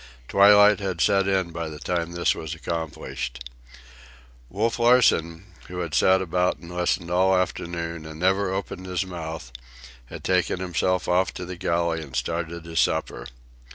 Twilight had set in by the time this was accomplished. Wolf Larsen, who had sat about and listened all afternoon and never opened his mouth, had taken himself off to the galley and started his supper.